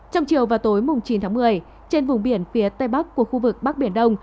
trong chiều và tối chín tháng một mươi trên vùng biển phía tây bắc của khu vực bắc biển đông